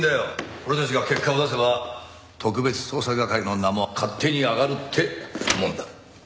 俺たちが結果を出せば特別捜査係の名も勝手に上がるってもんだ。